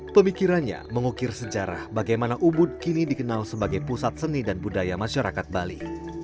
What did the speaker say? pemikirannya mengukir sejarah bagaimana ubud kini dikenal sebagai pusat seni dan budaya masyarakat bali